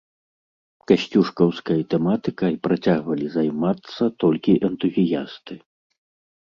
Касцюшкаўскай тэматыкай працягвалі займацца толькі энтузіясты.